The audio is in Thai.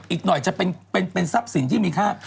อีกหน่อยจะเป็นทรัพย์สินที่มีค่า